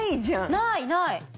ないない。